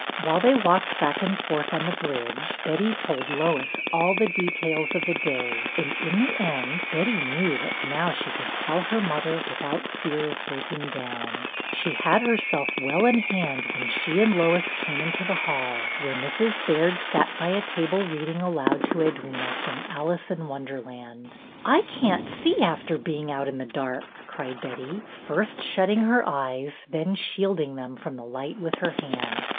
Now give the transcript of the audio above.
While they walked back and forth on the bridge, Betty told Lois all the details of the day, and in the end Betty knew that now she could tell her mother without fear of breaking down. 238 BETTY BAIRD'S VENTURES She had herself well in hand when she and Lois came into the hall, where Mrs. Baird sat by a table reading aloud to Edwyna from Alice in Wonderland." I can't see after being out in the dark," cried Betty, first shutting her eyes, then shielding them from the light with her hand.